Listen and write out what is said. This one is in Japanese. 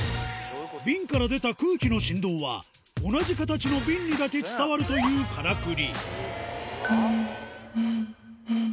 瓶から出た空気の振動は、同じ形の瓶にだけ伝わるというからくり。